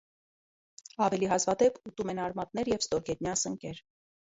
Ավելի հազվադեպ ուտում են արմատներ և ստորգետնյա սնկեր։